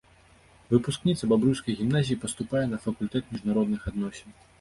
Выпускніца бабруйскай гімназіі паступае на факультэт міжнародных адносін.